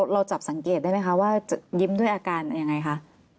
เราจับสังเกตได้ไหมคะว่ายิ้มด้วยอาการยังไงคะ